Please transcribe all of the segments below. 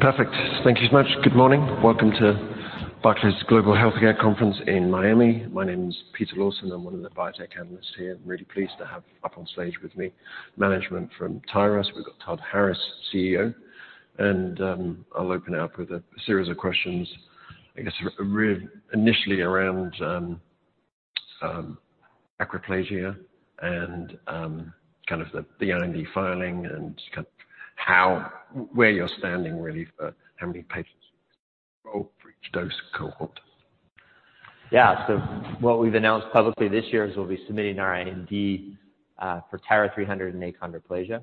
Perfect. Thank you so much. Good morning. Welcome to Barclays Global Healthcare Conference in Miami. My name is Peter Lawson, and I'm one of the biotech analysts here. I'm really pleased to have up on stage with me management from Tyra. So we've got Todd Harris, CEO. And I'll open it up with a series of questions, I guess, initially around achondroplasia and kind of the IND filing and where you're standing, really, for how many patients you control for each dose cohort. Yeah. So what we've announced publicly this year is we'll be submitting our IND for TYRA-300 and achondroplasia.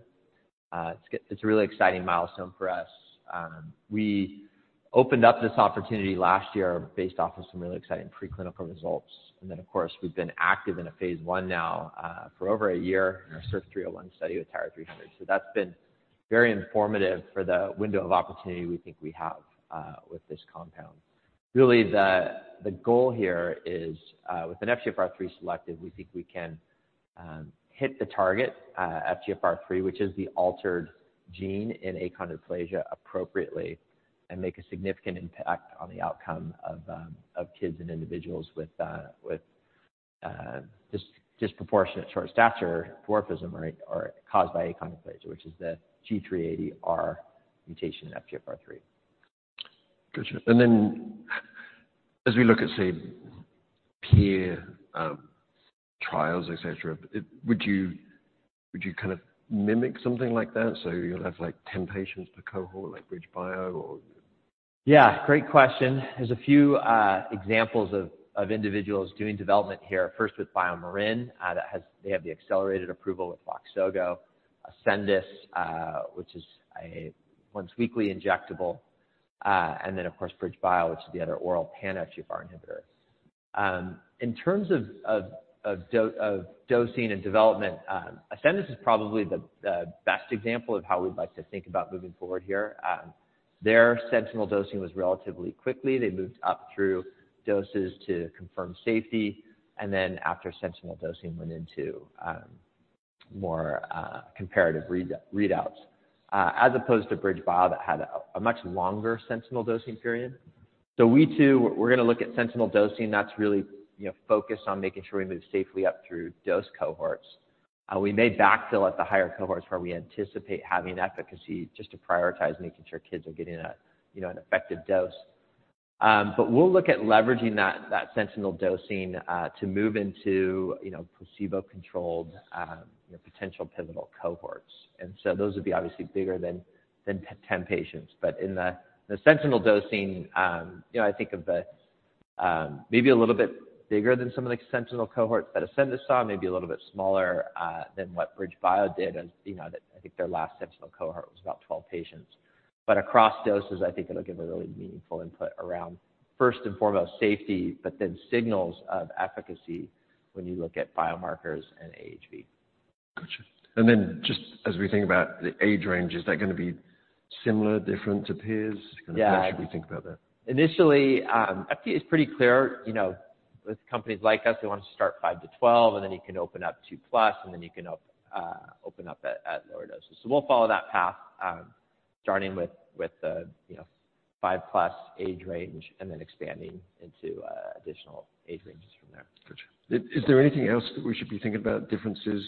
It's a really exciting milestone for us. We opened up this opportunity last year based off of some really exciting preclinical results. And then, of course, we've been active in a phase one now for over a year in our SURF301 study with TYRA-300. So that's been very informative for the window of opportunity we think we have with this compound. Really, the goal here is, with an FGFR3 selective, we think we can hit the target, FGFR3, which is the altered gene in achondroplasia, appropriately, and make a significant impact on the outcome of kids and individuals with disproportionate short stature dwarfism or caused by achondroplasia, which is the G380R mutation in FGFR3. Gotcha. And then, as we look at, say, peer trials, etc., would you kind of mimic something like that? So you'll have 10 patients per cohort, like BridgeBio, or? Yeah. Great question. There's a few examples of individuals doing development here, first with BioMarin. They have the accelerated approval with VOXZOGO, Ascendis, which is a once-weekly injectable, and then, of course, BridgeBio, which is the other oral pan-FGFR inhibitor. In terms of dosing and development, Ascendis is probably the best example of how we'd like to think about moving forward here. Their sentinel dosing was relatively quickly. They moved up through doses to confirm safety, and then after sentinel dosing, went into more comparative readouts, as opposed to BridgeBio, that had a much longer sentinel dosing period. So we too, we're going to look at sentinel dosing. That's really focused on making sure we move safely up through dose cohorts. We may backfill at the higher cohorts where we anticipate having efficacy just to prioritize making sure kids are getting an effective dose. But we'll look at leveraging that sentinel dosing to move into placebo-controlled, potential pivotal cohorts. And so those would be obviously bigger than 10 patients. But in the sentinel dosing, I think of the maybe a little bit bigger than some of the sentinel cohorts that Ascendis saw, maybe a little bit smaller than what BridgeBio did, as I think their last sentinel cohort was about 12 patients. But across doses, I think it'll give a really meaningful input around, first and foremost, safety, but then signals of efficacy when you look at biomarkers and AHV. Gotcha. And then, just as we think about the age range, is that going to be similar, different to peers? Kind of how should we think about that? Yeah. Initially, FDA is pretty clear. With companies like us, they want to start by12, and then you can open up two plus, and then you can open up at lower doses. We'll follow that path, starting with the five plus age range and then expanding into additional age ranges from there. Gotcha. Is there anything else that we should be thinking about, differences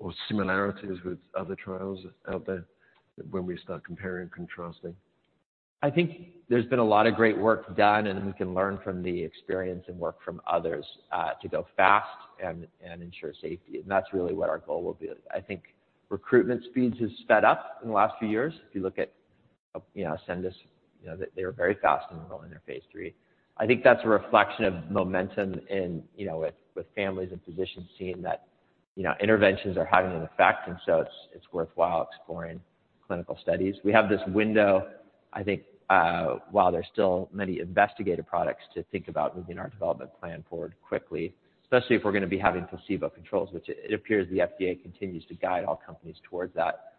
or similarities with other trials out there when we start comparing and contrasting? I think there's been a lot of great work done, and we can learn from the experience and work from others to go fast and ensure safety. That's really what our goal will be. I think recruitment speeds have sped up in the last few years. If you look at Ascendis, they were very fast enrolling in their phase three. I think that's a reflection of momentum with families and physicians seeing that interventions are having an effect, and so it's worthwhile exploring clinical studies. We have this window, I think, while there's still many investigational products to think about moving our development plan forward quickly, especially if we're going to be having placebo controls, which it appears the FDA continues to guide all companies towards that.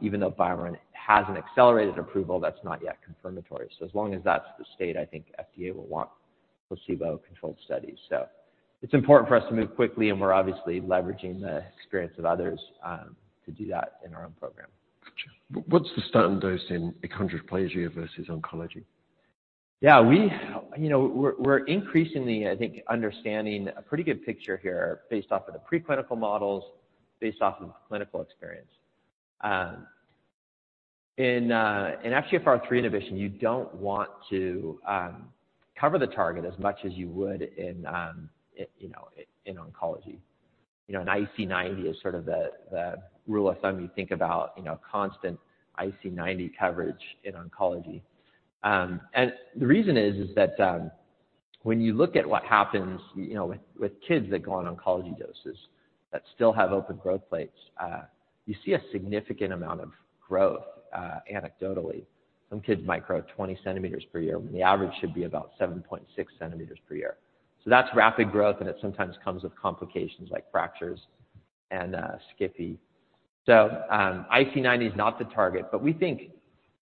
Even though BioMarin has an accelerated approval, that's not yet confirmatory. As long as that's the state, I think FDA will want placebo-controlled studies. It's important for us to move quickly, and we're obviously leveraging the experience of others to do that in our own program. Gotcha. What's the starting dose in achondroplasia versus oncology? Yeah. We're increasingly, I think, understanding a pretty good picture here based off of the preclinical models, based off of clinical experience. In FGFR3 inhibition, you don't want to cover the target as much as you would in oncology. An AUC90 is sort of the rule of thumb. You think about constant AUC90 coverage in oncology. And the reason is that when you look at what happens with kids that go on oncology doses that still have open growth plates, you see a significant amount of growth, anecdotally. Some kids might grow 20 centimeters per year, when the average should be about 7.6 centimeters per year. So that's rapid growth, and it sometimes comes with complications like fractures and SCFE. So AUC90 is not the target, but we think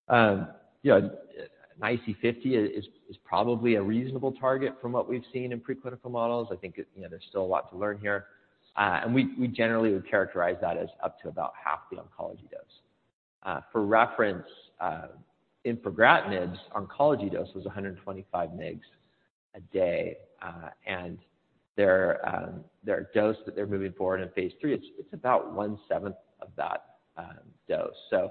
an AUC50 is probably a reasonable target from what we've seen in preclinical models. I think there's still a lot to learn here. We generally would characterize that as up to about half the oncology dose. For reference, infigratinib's oncology dose was 125 mg a day. Their dose that they're moving forward in phase three, it's about one-seventh of that dose.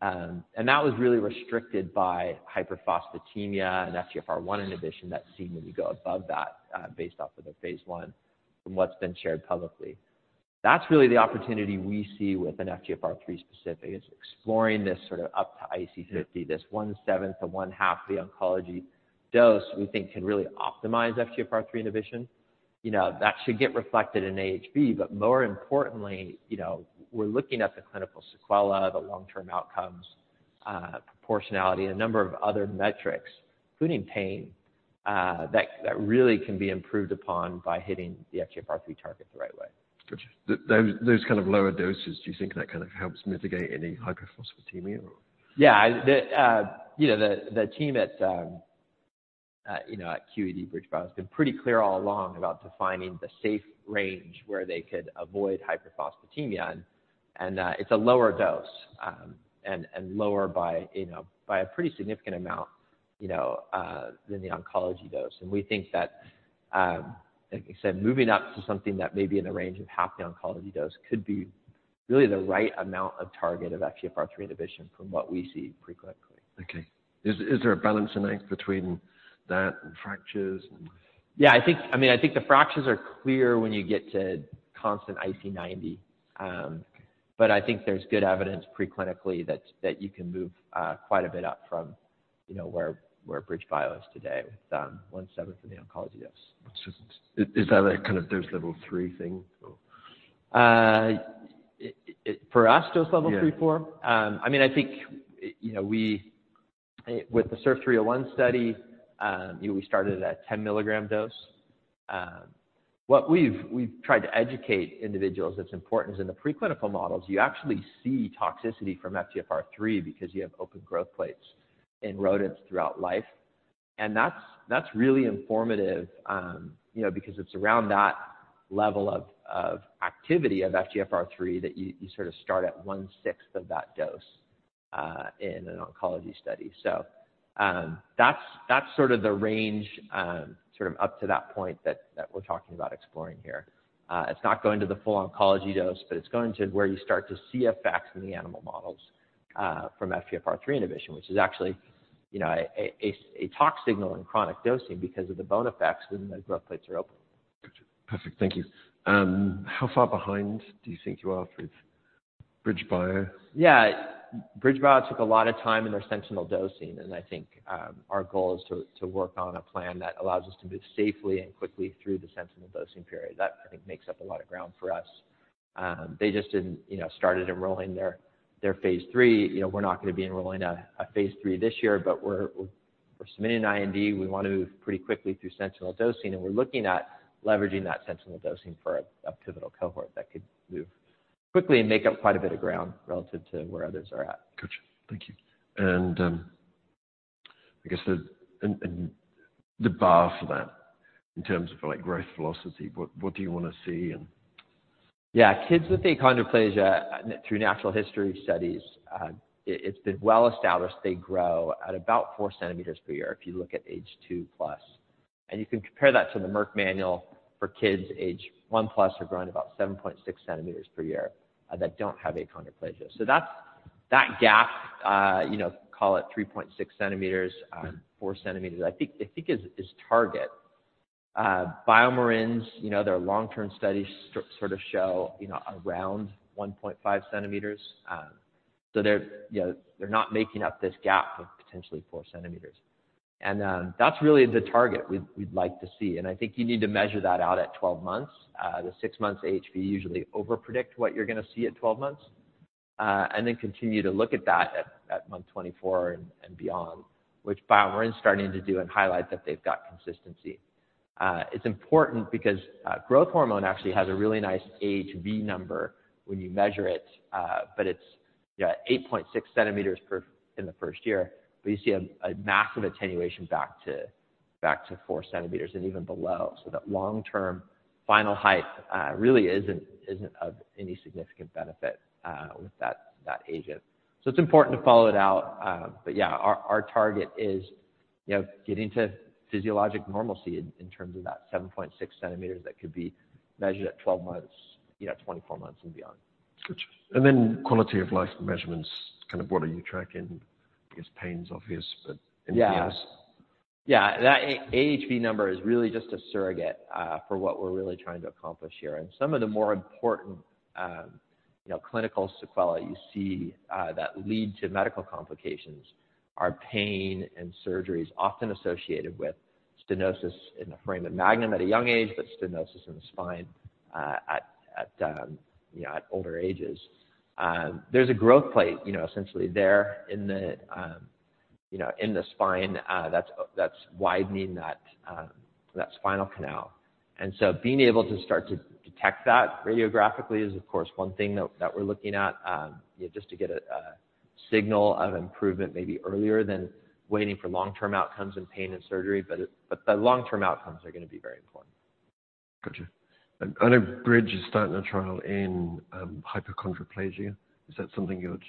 That was really restricted by hyperphosphatemia and FGFR1 inhibition that seem when you go above that based off of their phase one from what's been shared publicly. That's really the opportunity we see with an FGFR3-specific, is exploring this sort of up to AUC50, this one-seventh to one-half the oncology dose we think can really optimize FGFR3 inhibition. That should get reflected in AHV. But more importantly, we're looking at the clinical sequelae, the long-term outcomes, proportionality, and a number of other metrics, including pain, that really can be improved upon by hitting the FGFR3 target the right way. Gotcha. Those kind of lower doses, do you think that kind of helps mitigate any hyperphosphatemia, or? Yeah. The team at QED, BridgeBio, has been pretty clear all along about defining the safe range where they could avoid hyperphosphatemia. And it's a lower dose and lower by a pretty significant amount than the oncology dose. And we think that, like I said, moving up to something that may be in the range of half the oncology dose could be really the right amount of target of FGFR3 inhibition from what we see preclinically. Okay. Is there a balance and angle between that and fractures? Yeah. I mean, I think the fractures are clear when you get to constant AUC90. But I think there's good evidence preclinically that you can move quite a bit up from where BridgeBio is today with one-seventh of the oncology dose. Is that kind of dose level three thing, or? For us, dose level three, four? Yeah. I mean, I think with the SURF301 study, we started at a 10 mg dose. What we've tried to educate individuals that's important is in the preclinical models, you actually see toxicity from FGFR3 because you have open growth plates in rodents throughout life. And that's really informative because it's around that level of activity of FGFR3 that you sort of start at one-sixth of that dose in an oncology study. So that's sort of the range sort of up to that point that we're talking about exploring here. It's not going to the full oncology dose, but it's going to where you start to see effects in the animal models from FGFR3 inhibition, which is actually a tox signal in chronic dosing because of the bone effects when the growth plates are open. Gotcha. Perfect. Thank you. How far behind do you think you are with BridgeBio? Yeah. BridgeBio took a lot of time in their sentinel dosing. And I think our goal is to work on a plan that allows us to move safely and quickly through the sentinel dosing period. That, I think, makes up a lot of ground for us. They just didn't started enrolling their phase three. We're not going to be enrolling a phase three this year, but we're submitting an IND. We want to move pretty quickly through sentinel dosing. And we're looking at leveraging that sentinel dosing for a pivotal cohort that could move quickly and make up quite a bit of ground relative to where others are at. Gotcha. Thank you. And I guess the bar for that in terms of growth velocity, what do you want to see? Yeah. Kids with achondroplasia, through natural history studies, it's been well established they grow at about four centimeters per year if you look at age two plus. And you can compare that to the Merck Manual for kids age one plus who are growing about 7.6 centimeters per year that don't have achondroplasia. So that gap, call it 3.6 centimeters, four centimeters, I think is target. BioMarin's, their long-term studies sort of show around 1.5 centimeters. So they're not making up this gap of potentially four centimeters. And that's really the target we'd like to see. And I think you need to measure that out at 12 months. The six month AHV usually overpredict what you're going to see at 12 months and then continue to look at that at month 24 and beyond, which BioMarin is starting to do and highlight that they've got consistency. It's important because growth hormone actually has a really nice AHV number when you measure it, but it's 8.6 centimeters in the first year. But you see a massive attenuation back to four centimeters and even below. So that long-term final height really isn't of any significant benefit with that agent. So it's important to follow it out. But yeah, our target is getting to physiologic normalcy in terms of that 7.6 centimeters that could be measured at 12 months, 24 months, and beyond. Gotcha. And then quality of life measurements, kind of what are you tracking? I guess pain's obvious, but anything else? Yeah. Yeah. That AHV number is really just a surrogate for what we're really trying to accomplish here. Some of the more important clinical sequelae you see that lead to medical complications are pain and surgeries, often associated with stenosis in the foramen magnum at a young age, but stenosis in the spine at older ages. There's a growth plate essentially there in the spine that's widening that spinal canal. So being able to start to detect that radiographically is, of course, one thing that we're looking at just to get a signal of improvement maybe earlier than waiting for long-term outcomes in pain and surgery. The long-term outcomes are going to be very important. Gotcha. I know Bridge is starting a trial in hypochondroplasia. Is that something you'd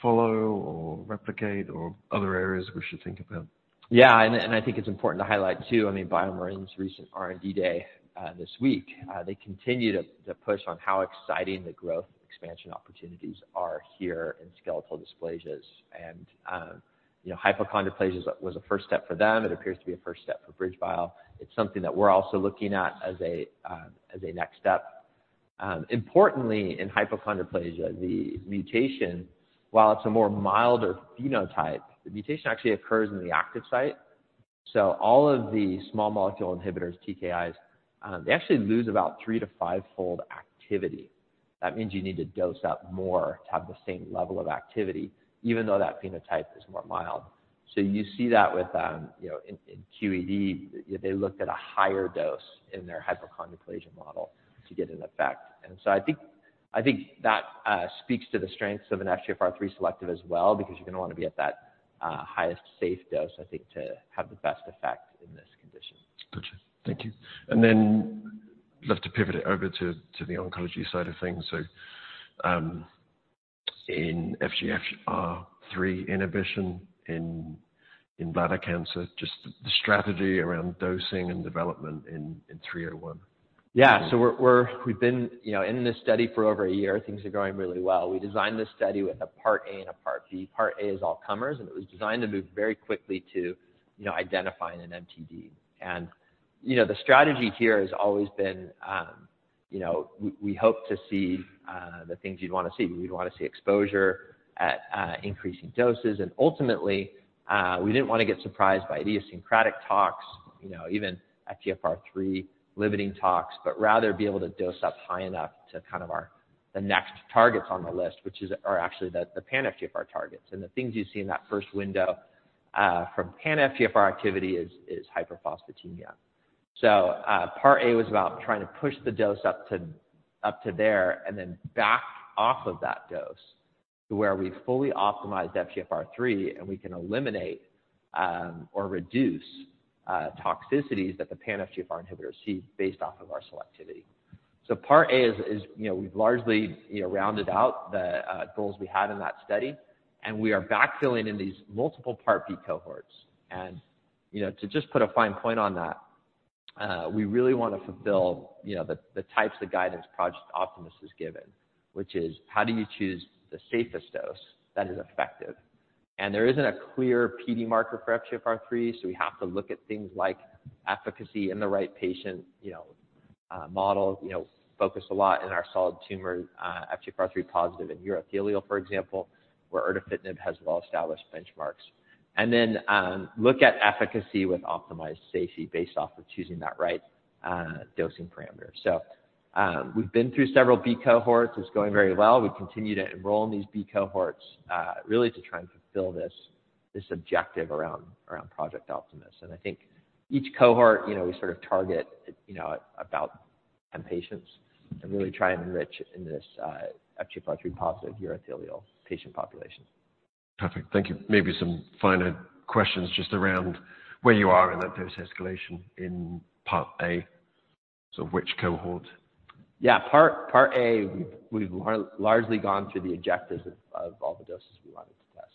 follow or replicate or other areas we should think about? Yeah. I think it's important to highlight too, I mean, BioMarin's recent R&D day this week. They continue to push on how exciting the growth expansion opportunities are here in skeletal dysplasias. Hypochondroplasia was a first step for them. It appears to be a first step for BridgeBio. It's something that we're also looking at as a next step. Importantly, in hypochondroplasia, the mutation, while it's a more milder phenotype, the mutation actually occurs in the active site. So all of the small molecule inhibitors, TKIs, they actually lose about three to five fold activity. That means you need to dose up more to have the same level of activity, even though that phenotype is more mild. So you see that with in QED, they looked at a higher dose in their hypochondroplasia model to get an effect. And so I think that speaks to the strengths of an FGFR3 selective as well because you're going to want to be at that highest safe dose, I think, to have the best effect in this condition. Gotcha. Thank you. And then I'd love to pivot it over to the oncology side of things. So in FGFR3 inhibition in bladder cancer, just the strategy around dosing and development in 301? Yeah. So we've been in this study for over a year. Things are going really well. We designed this study with a part A and a part B. Part A is all-comers, and it was designed to move very quickly to identifying an MTD. The strategy here has always been we hope to see the things you'd want to see. We'd want to see exposure at increasing doses. Ultimately, we didn't want to get surprised by idiosyncratic tox, even FGFR3-limiting tox, but rather be able to dose up high enough to kind of our the next targets on the list, which are actually the pan-FGFR targets. The things you see in that first window from pan-FGFR activity is hyperphosphatemia. So part A was about trying to push the dose up to there and then back off of that dose to where we've fully optimized FGFR3, and we can eliminate or reduce toxicities that the pan-FGFR inhibitors see based off of our selectivity. So part A is we've largely rounded out the goals we had in that study, and we are backfilling in these multiple part B cohorts. And to just put a fine point on that, we really want to fulfill the types of guidance Project Optimus has given, which is how do you choose the safest dose that is effective? And there isn't a clear PD marker for FGFR3, so we have to look at things like efficacy in the right patient model, focus a lot in our solid tumor FGFR3-positive in urothelial, for example, where erdafitinib has well-established benchmarks. And then look at efficacy with optimized safety based off of choosing that right dosing parameter. So we've been through several B cohorts. It's going very well. We continue to enroll in these B cohorts really to try and fulfill this objective around Project Optimus. And I think each cohort, we sort of target about 10 patients and really try and enrich in this FGFR3-positive urothelial patient population. Perfect. Thank you. Maybe some finer questions just around where you are in that dose escalation in part A, so which cohort? Yeah. Part A, we've largely gone through the objectives of all the doses we wanted to test.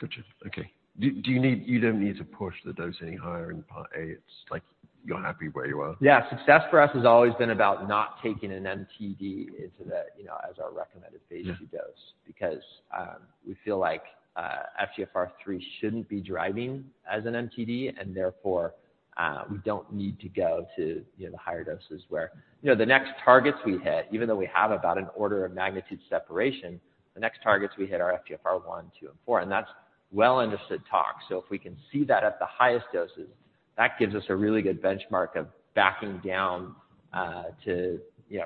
Gotcha. Okay. You don't need to push the dose any higher in part A. It's like you're happy where you are? Yeah. Success for us has always been about not taking an MTD as our recommended phase two dose because we feel like FGFR3 shouldn't be driving as an MTD, and therefore, we don't need to go to the higher doses where the next targets we hit, even though we have about an order of magnitude separation, the next targets we hit are FGFR1, FGFR2, and FGFR4. And that's well-understood tox. So if we can see that at the highest doses, that gives us a really good benchmark of backing down to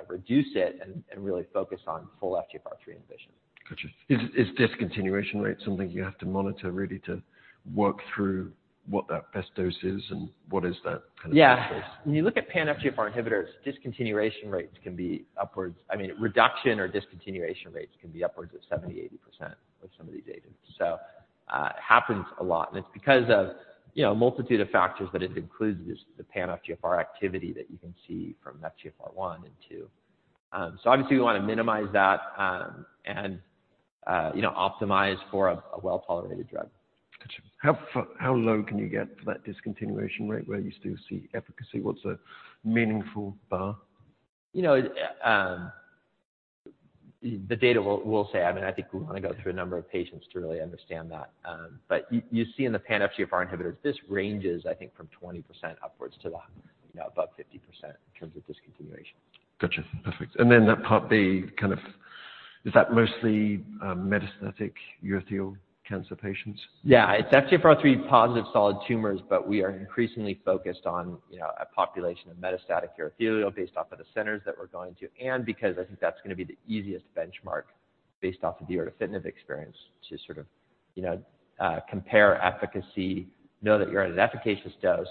reduce it and really focus on full FGFR3 inhibition. Gotcha. Is discontinuation rate something you have to monitor really to work through what that best dose is, and what is that kind of best dose? Yeah. When you look at pan-FGFR inhibitors, discontinuation rates can be upwards. I mean, reduction or discontinuation rates can be upwards of 70%-80% with some of these agents. So it happens a lot. And it's because of a multitude of factors that it includes the pan-FGFR activity that you can see from FGFR1 and two. So obviously, we want to minimize that and optimize for a well-tolerated drug. Gotcha. How low can you get for that discontinuation rate where you still see efficacy? What's a meaningful bar? The data will say. I mean, I think we want to go through a number of patients to really understand that. But you see in the pan-FGFR inhibitors, this ranges, I think, from 20% upwards to above 50% in terms of discontinuation. Gotcha. Perfect. And then that part B, kind of is that mostly metastatic urothelial cancer patients? Yeah. It's FGFR3-positive solid tumors, but we are increasingly focused on a population of metastatic urothelial based off of the centers that we're going to and because I think that's going to be the easiest benchmark based off of the erdafitinib experience to sort of compare efficacy, know that you're at an efficacious dose,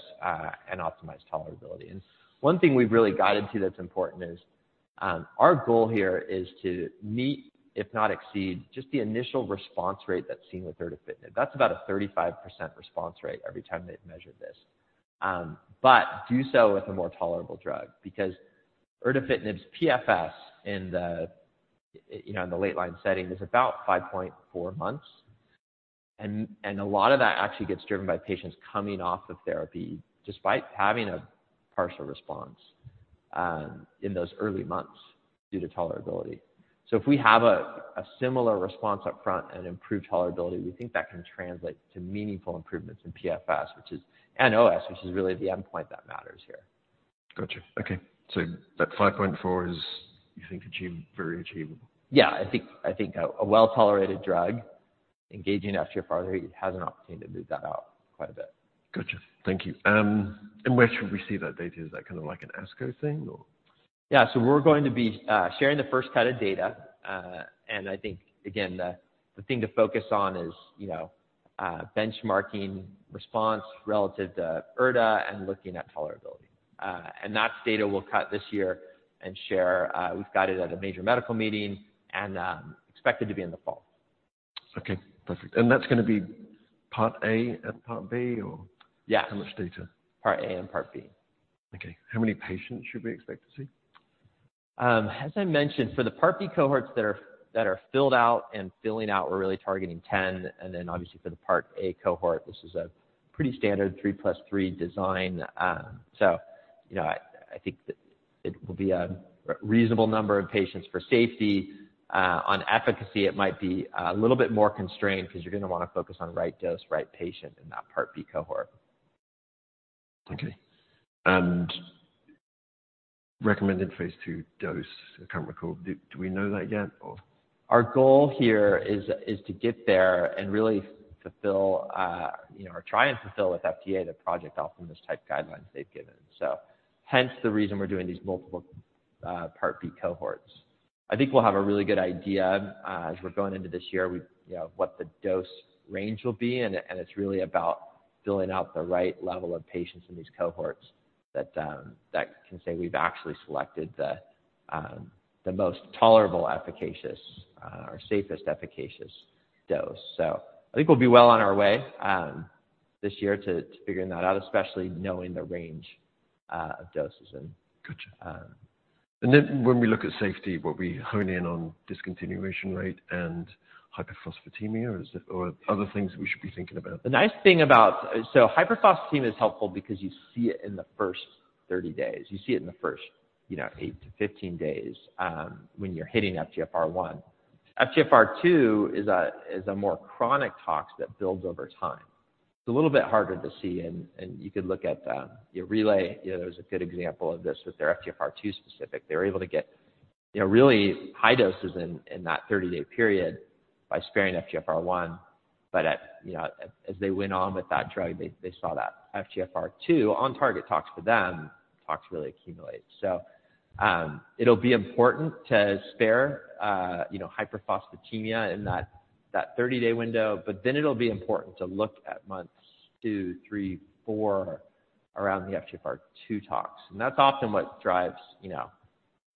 and optimize tolerability. And one thing we've really guided to that's important is our goal here is to meet, if not exceed, just the initial response rate that's seen with erdafitinib. That's about a 35% response rate every time they've measured this. But do so with a more tolerable drug because erdafitinib's PFS in the late-line setting is about 5.4 months. And a lot of that actually gets driven by patients coming off of therapy despite having a partial response in those early months due to tolerability. So if we have a similar response upfront and improved tolerability, we think that can translate to meaningful improvements in PFS and OS, which is really the endpoint that matters here. Gotcha. Okay. So that 5.4 is, you think, very achievable? Yeah. I think a well-tolerated drug, engaging FGFR there, it has an opportunity to move that out quite a bit. Gotcha. Thank you. Where should we see that data? Is that kind of like an ASCO thing, or? Yeah. So we're going to be sharing the first cut of data. And I think, again, the thing to focus on is benchmarking response relative to erdafitinib and looking at tolerability. And that data will cut this year and share. We've got it at a major medical meeting and expected to be in the fall. Okay. Perfect. And that's going to be part A and part B, or how much data? Part A and part B. Okay. How many patients should we expect to see? As I mentioned, for the part B cohorts that are filled out and filling out, we're really targeting 10. And then obviously, for the part A cohort, this is a pretty standard three plus three design. So I think it will be a reasonable number of patients. For safety on efficacy, it might be a little bit more constrained because you're going to want to focus on right dose, right patient in that part B cohort. Okay. And recommended phase two dose, I can't recall. Do we know that yet, or? Our goal here is to get there and really fulfill or try and fulfill with FDA the Project Optimus-type guidelines they've given. So hence the reason we're doing these multiple part B cohorts. I think we'll have a really good idea as we're going into this year what the dose range will be. And it's really about filling out the right level of patients in these cohorts that can say we've actually selected the most tolerable, efficacious, or safest efficacious dose. So I think we'll be well on our way this year to figuring that out, especially knowing the range of doses. Gotcha. And then when we look at safety, what we hone in on, discontinuation rate and hyperphosphatemia, or other things that we should be thinking about? The nice thing about so hyperphosphatemia is helpful because you see it in the first 30 days. You see it in the first eight to 15 days when you're hitting FGFR1. FGFR2 is a more chronic tox that builds over time. It's a little bit harder to see. And you could look at Relay. There was a good example of this with their FGFR2 specific. They were able to get really high doses in that 30-day period by sparing FGFR1. But as they went on with that drug, they saw that FGFR2 on-target tox for them, tox really accumulates. So it'll be important to spare hyperphosphatemia in that 30-day window. But then it'll be important to look at months two, three, four around the FGFR2 tox. And that's often what drives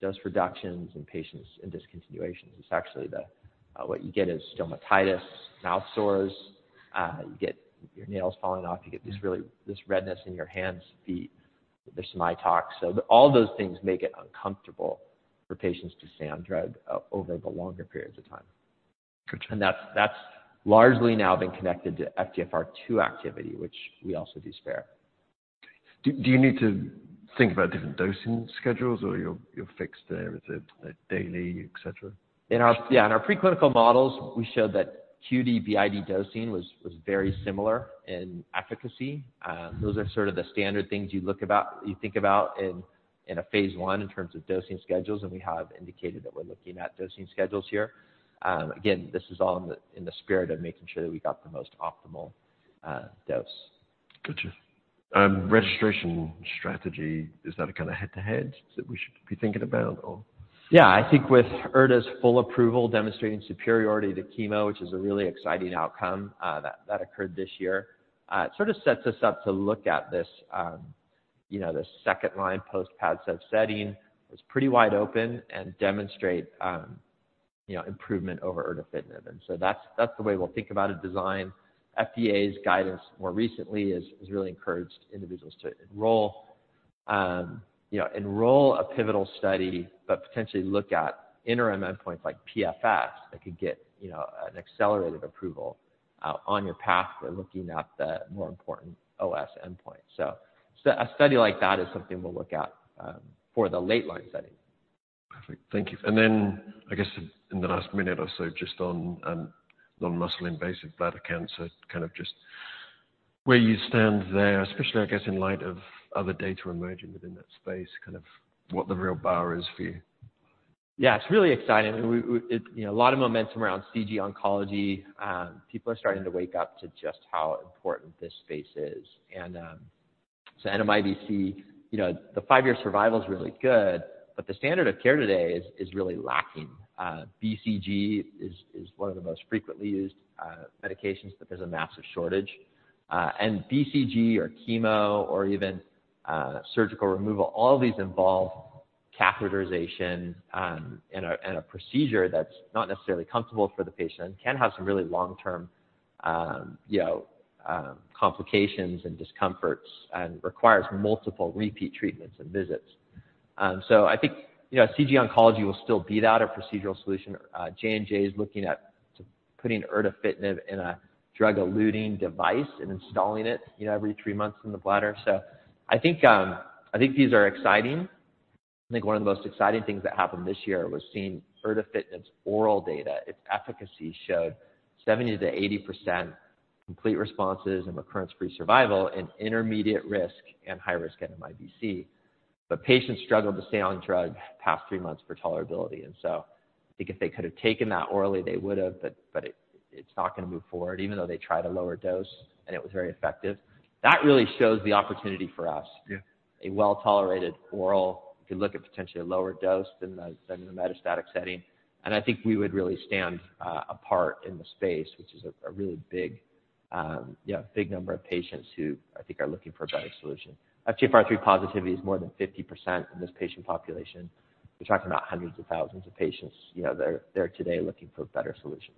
dose reductions in patients in discontinuations. It's actually what you get is stomatitis, mouth sores. You get your nails falling off. You get this redness in your hands, feet. There's some eye tox. So all those things make it uncomfortable for patients to stay on drug over the longer periods of time. And that's largely now been connected to FGFR2 activity, which we also do spare. Okay. Do you need to think about different dosing schedules, or you're fixed there? Is it daily, etc.? Yeah. In our preclinical models, we showed that QD, BID dosing was very similar in efficacy. Those are sort of the standard things you think about in a phase one in terms of dosing schedules. And we have indicated that we're looking at dosing schedules here. Again, this is all in the spirit of making sure that we got the most optimal dose. Gotcha. Registration strategy, is that a kind of head-to-head that we should be thinking about, or? Yeah. I think with erdafitinib's full approval demonstrating superiority to chemo, which is a really exciting outcome that occurred this year, it sort of sets us up to look at this second-line post-PADCEV setting that's pretty wide open and demonstrate improvement over erdafitinib. And so that's the way we'll think about it designed. FDA's guidance more recently has really encouraged individuals to enroll a pivotal study but potentially look at interim endpoints like PFS that could get an accelerated approval on your path to looking at the more important OS endpoint. So a study like that is something we'll look at for the late-line setting. Perfect. Thank you. And then I guess in the last minute or so just on non-muscle-invasive bladder cancer, kind of just where you stand there, especially, I guess, in light of other data emerging within that space, kind of what the real bar is for you? Yeah. It's really exciting. I mean, a lot of momentum around CG Oncology. People are starting to wake up to just how important this space is. And so NMIBC, the five-year survival's really good, but the standard of care today is really lacking. BCG is one of the most frequently used medications, but there's a massive shortage. And BCG, or chemo, or even surgical removal, all of these involve catheterization and a procedure that's not necessarily comfortable for the patient and can have some really long-term complications and discomforts and requires multiple repeat treatments and visits. So I think CG Oncology will still be that, a procedural solution. J&J is looking at putting erdafitinib in a drug-eluting device and installing it every three months in the bladder. So I think these are exciting. I think one of the most exciting things that happened this year was seeing erdafitinib's oral data. Its efficacy showed 70%-80% complete responses and recurrence-free survival in intermediate risk and high-risk NMIBC. But patients struggled to stay on drug past three months for tolerability. And so I think if they could have taken that orally, they would have, but it's not going to move forward, even though they tried a lower dose and it was very effective. That really shows the opportunity for us, a well-tolerated oral you could look at potentially a lower dose than in the metastatic setting. And I think we would really stand apart in the space, which is a really big number of patients who I think are looking for a better solution. FGFR3 positivity is more than 50% in this patient population. We're talking about hundreds of thousands of patients there today looking for better solutions.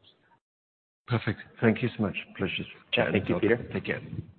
Perfect. Thank you so much. Pleasure to chat with you. Chatting with you, Peter. Take care.